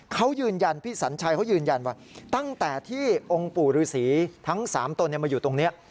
เขายืนยันพี่สัญชัยเขายืนยันว่าตั้งแต่ที่องค์ปู่ฤษีทั้ง๓ตนมาอยู่ตรงนี้